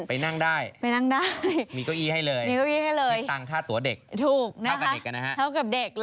ไปนั่งได้มีเก้าอี้ให้เลยมีเงิน๕ตัวเด็กเท่ากับเด็กกันนะฮะ